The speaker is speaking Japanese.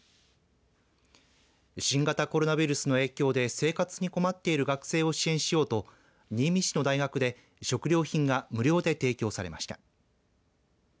新型コロナウイルスの影響で生活に困っている学生を支援しようと新見市の大学で食料品が無料で提供されました。